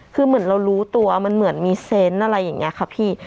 คือเหมือนเรารู้ตัวมันเหมือนมีเซนต์อะไรอย่างนี้ค่ะพี่